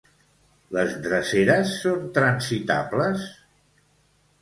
Les dreceres són transitables?